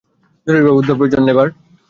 জরুরিভাবে উদ্ধার প্রয়োজন, ওভার।